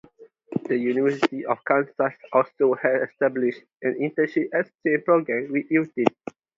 The University of Kansas also has established an internship exchange program with Eutin.